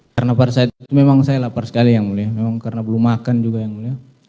karena pada saat itu memang saya lapar sekali ya mulia memang karena belum makan juga ya mulia